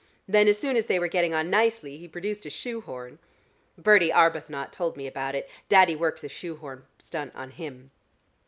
Then as soon as they were getting on nicely, he produced a shoe horn. Bertie Arbuthnot told me about it: Daddy worked the shoe horn stunt on him."